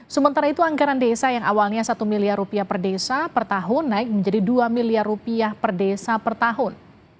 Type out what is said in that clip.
sementara itu anggaran desa yang awalnya satu miliar rupiah per desa per tahun naik menjadi dua miliar rupiah per desa per tahun